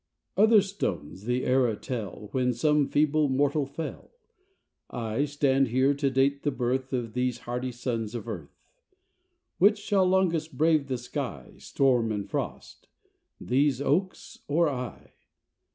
Other stones the era tell When some feeble mortal fell; I stand here to date the birth Of these hardy sons of earth. Which shall longest brave the sky, Storm and frost these oaks or I?